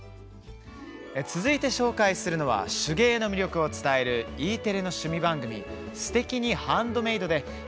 続いて紹介するのは手芸の魅力を伝えるＥテレの趣味番組「すてきにハンドメイド」です。